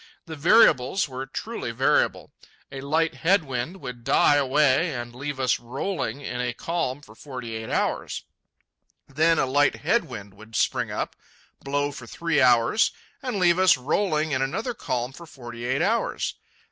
The variables were truly variable. A light head wind would die away and leave us rolling in a calm for forty eight hours. Then a light head wind would spring up, blow for three hours, and leave us rolling in another calm for forty eight hours.